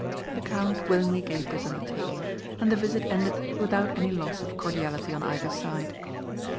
The Count willingly gave this undertaking, and the visit ended without any loss of cordiality on either side.